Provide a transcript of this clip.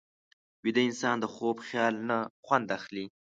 ویده انسان د خوب خیال نه خوند اخلي